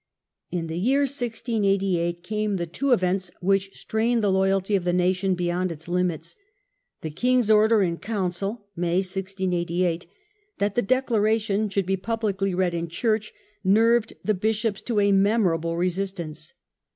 In the year 1688 came the two events which strained the loyalty of the nation beyond its limits. The king's order in council (May, 1688) that the The crisis. "Declaration" should be publicly read in "^^a church nerved the bishops to a memorable resistance.